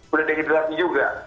udah dehidrasi juga